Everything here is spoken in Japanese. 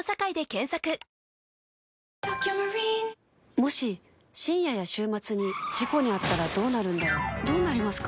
もし深夜や週末に事故に遭ったらどうなるんだろうどうなりますか？